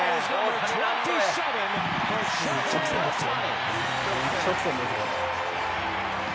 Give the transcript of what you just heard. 一直線ですよ。